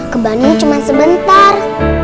ke bandung cuma sebentar